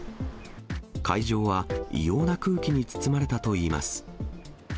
会場は異様な空気に包まれたといいます。